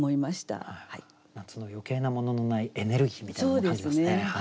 夏の余計なもののないエネルギーみたいなのも感じますね。